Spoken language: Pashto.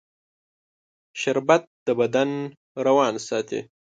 شربت د بدن روان ساتي